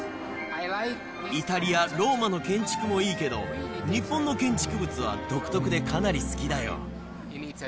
イタリア・ローマの建築もいいけど、日本の建築物は独特でかなり好きだよ。